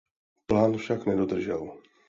Plán však nedodržel.